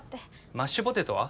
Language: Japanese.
マッシュポテトは？